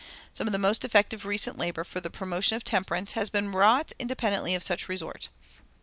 Some of the most effective recent labor for the promotion of temperance has been wrought independently of such resort.